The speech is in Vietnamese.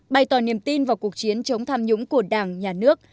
bày tỏ niềm tin vào cuộc chiến chống tham nhũng của đảng nhà nước